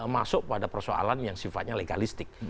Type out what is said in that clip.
masuk pada persoalan yang sifatnya legalistik